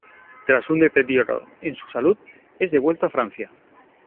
Tras un deterioro en su salud es devuelto a Francia.